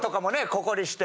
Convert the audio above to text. ここにして。